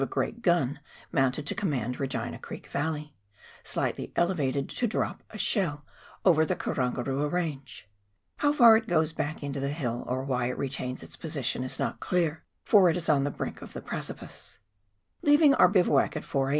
*;!.^.. v COPLAND RIVER AND GENERAL WORK, 293 great gun mounted to command Regina Creek Yalley, slightly elevated to drop a shell over the Karangarua Eange. How far it goes back into the hill, or why it retains its position, is not clear, for it is on the brink of the precipice. Leaving our bivouac at 4 a.